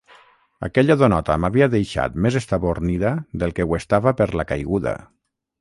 Aquella donota m'havia deixat més estabornida del que ho estava per la caiguda.